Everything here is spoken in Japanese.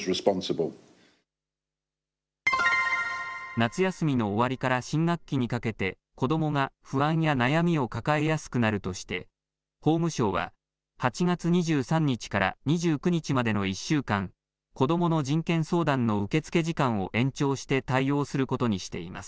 夏休みの終わりから新学期にかけて、子どもが不安や悩みを抱えやすくなるとして、法務省は、８月２３日から２９日までの１週間、こどもの人権相談の受付時間を延長して対応することにしています。